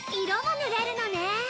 色も塗れるのね